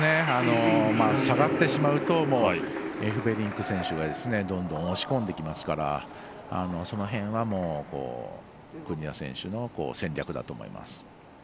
下がってしまうとエフベリンク選手がどんどん押し込んできますからその辺は、国枝選手の戦略だと思います。